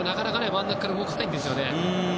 真ん中から動きたいんですよね。